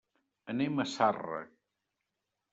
Anem a Zarra.